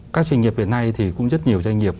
các doanh nghiệp hiện nay thì cũng rất nhiều doanh nghiệp